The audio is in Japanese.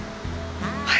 はい。